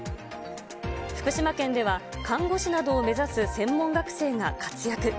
福島県では看護師などを目指す専門学生が活躍。